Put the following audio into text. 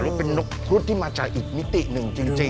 หรือเป็นนกครุฑที่มาจากอีกมิติหนึ่งจริง